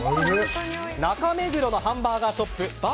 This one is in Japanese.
中目黒のハンバーガーショップ